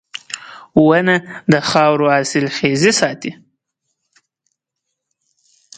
• ونه د خاورو حاصلخېزي ساتي.